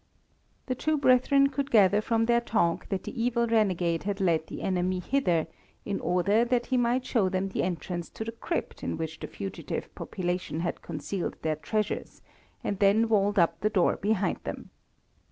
The two brethren could gather from their talk that the evil renegade had led the enemy hither in order that he might show them the entrance to the crypt in which the fugitive population had concealed their treasures, and then walled up the door behind them.